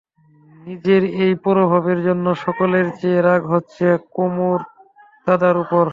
নিজের এই পরাভবের জন্যে সকলের চেয়ে রাগ হচ্ছে কুমুর দাদার উপর।